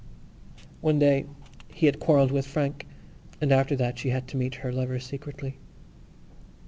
One day he had quarrelled with Frank and after that she had to meet her lover secretly.